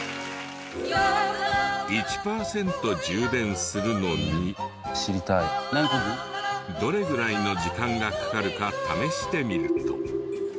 １パーセント充電するのにどれぐらいの時間がかかるか試してみると。